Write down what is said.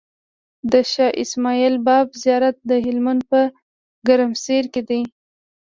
د شاهاسماعيل بابا زيارت دهلمند په ګرمسير کی دی